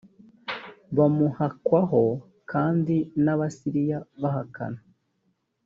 bamuhakwaho kandi n abasiriya bahakana